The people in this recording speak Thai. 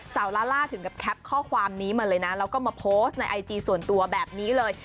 ลาล่าถึงกับแคปข้อความนี้มาเลยนะแล้วก็มาโพสต์ในไอจีส่วนตัวแบบนี้เลย